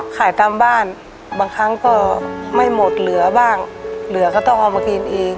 ขายตามบ้านบางครั้งก็ไม่หมดเหลือบ้างเหลือก็ต้องเอามากินเอง